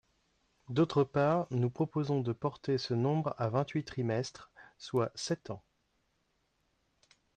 D’autre part, nous proposons de porter ce nombre à vingt-huit trimestres, soit sept ans.